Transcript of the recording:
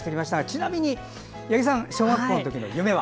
ちなみに八木さん小学校の時の夢は？